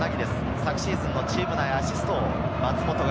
昨シーズン、チーム内アシスト王。